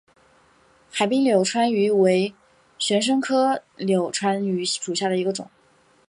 海滨柳穿鱼为玄参科柳穿鱼属下的一个种。